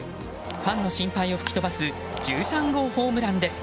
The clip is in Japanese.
ファンの心配を吹き飛ばす１３号ホームランです。